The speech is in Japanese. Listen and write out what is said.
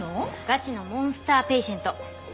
ガチのモンスターペイシェント。